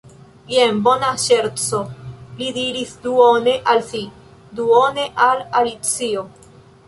"Jen bona ŝerco," li diris, duone al si, duone al Alicio.